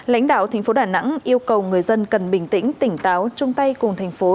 lãnh đạo thành phố đà nẵng yêu cầu người dân cần bình tĩnh tỉnh táo chung tay cùng thành phố